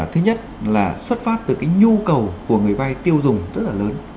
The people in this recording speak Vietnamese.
thứ nhất là xuất phát từ cái nhu cầu của người vai tiêu dùng rất là lớn